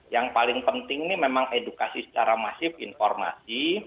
yang paling penting ini memang edukasi secara masif informasi